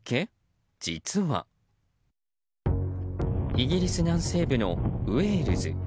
イギリス南西部のウェールズ。